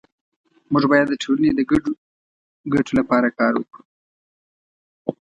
مونږ باید د ټولنې د ګډو ګټو لپاره کار وکړو